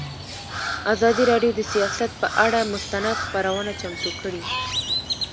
ازادي راډیو د سیاست پر اړه مستند خپرونه چمتو کړې.